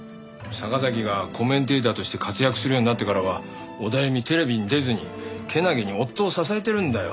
坂崎がコメンテーターとして活躍するようになってからはオダエミテレビに出ずにけなげに夫を支えてるんだよ。